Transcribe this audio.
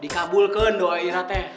dikabulkan doa irah teng